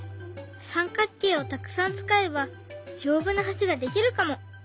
三角形をたくさん使えば丈夫な橋ができるかも。